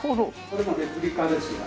これもレプリカですが。